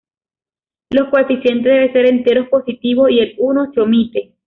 Los coeficientes deben ser enteros positivos, y el uno se omite.